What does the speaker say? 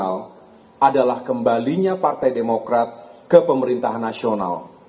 adalah kembalinya partai demokrat ke pemerintahan nasional